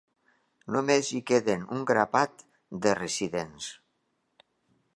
Només hi queden un grapat de residents.